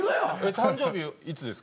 誕生日いつですか？